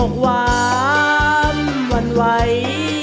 อกวามหวั่นไว